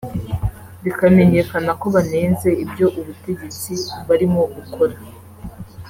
bikamenyekana ko banenze ibyo ubutegetsi barimo bukora